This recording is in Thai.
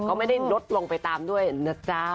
ก็ไม่ได้ลดลงไปตามด้วยนะจ๊ะ